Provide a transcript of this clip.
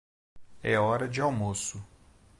É hora de almoço.